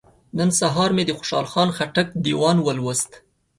نن سهار مې د خوشحال خان خټک دیوان ولوست.